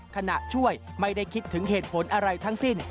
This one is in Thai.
ขณะช่วยไม่ได้คิดถึงเหตุผลอะไรทั้งสิ้น